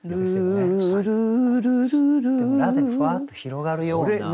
「ルルル」「ラ」でふわっと広がるような。